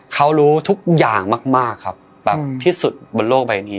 เขารู้ทุกอย่างมากครับแบบที่สุดบนโลกใบนี้